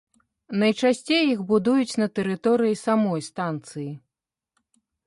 Найчасцей іх будуюць на тэрыторыі самой станцыі.